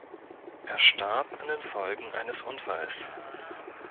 Er starb an den Folgen eines Unfalls.